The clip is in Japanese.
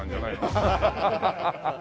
ハハハハ！